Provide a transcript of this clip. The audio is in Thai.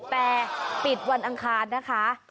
แต่ปิดวันอังคารนะคะ